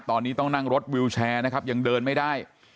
ตอนนี้ต้องนั่งรถวิวแชร์นะครับยังเดินไม่ได้